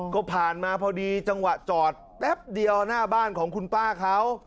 ก็ผ่านมาพอดีจังหวะจอดแป๊บเดียวหน้าบ้านของคุณป้าเขา